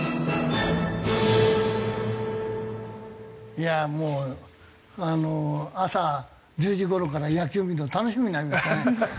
いやあもうあの朝１０時頃から野球見るの楽しみになりましたね。